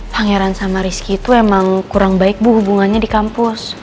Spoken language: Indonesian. pangeran sama rizky itu emang kurang baik bu hubungannya di kampus